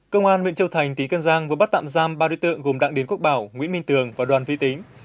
công an nguyễn châu thành tý cân giang vừa bắt tạm giam ba đối tượng gồm đặng điến quốc bảo nguyễn minh tường và đoàn vi tính